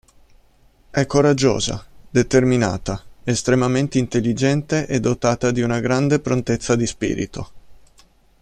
È coraggiosa, determinata, estremamente intelligente e dotata di una grande prontezza di spirito.